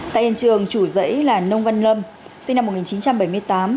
tại hiện trường chủ dãy là nông văn lâm sinh năm một nghìn chín trăm bảy mươi tám